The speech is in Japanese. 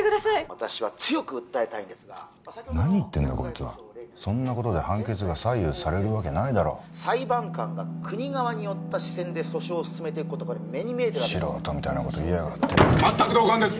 私は強く訴えたいんですが何言ってんだそんなことで判決が左右されるわけないだろ裁判官が国側に寄った視線で訴訟を進めていくことこれ目に見えてるわけ素人みたいなこと言いやがって全く同感です